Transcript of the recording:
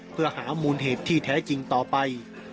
เพื่อหามูลเหตุที่แท้จริงต่อไป